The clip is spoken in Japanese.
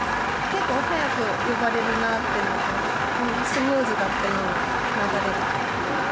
結構早く呼ばれるなっていうのと、スムーズだったので、流れが。